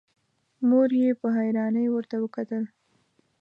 مور يې په حيرانی ورته وکتل.